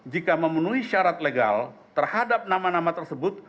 jika memenuhi syarat legal terhadap nama nama tersebut